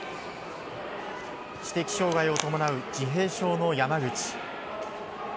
知的障害を伴う自閉症の山口。